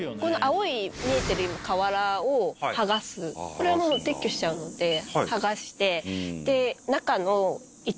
これはもう撤去しちゃうのではがしてで。